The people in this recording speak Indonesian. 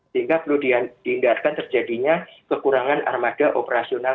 sehingga perlu dihindarkan terjadinya kekurangan armada operasional